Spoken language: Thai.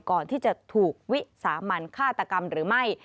ก่อนที่จะถูกวิสามันฆาตกรรมหรือไม่